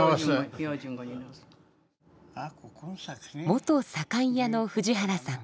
元左官屋の藤原さん。